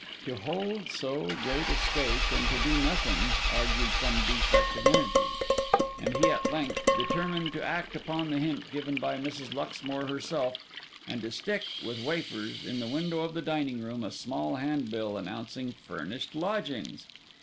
To hold so great a stake and to do nothing, argued some defect of energy; and he at length determined to act upon the hint given by Mrs. Luxmore herself, and to stick, with wafers, in the window of the dining room, a small handbill announcing furnished lodgings.